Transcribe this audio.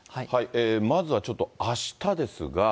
まずはちょっとあしたですが。